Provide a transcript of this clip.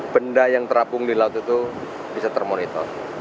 benda yang terapung di laut itu bisa termonitor